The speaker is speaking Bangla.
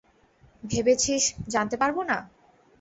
ভেবেছিস, জানতে পারবো না!